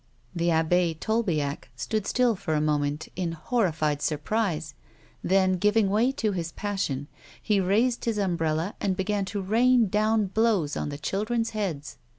The Abb4 Tolbiac stood still for a moment in horrified surprise, then, giving way to his passion, he raised his umbrella and began to rain down blows on the children's heads.